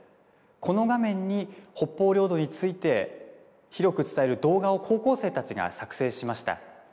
この画面に北方領土について広く伝える動画を高校生が作成しました。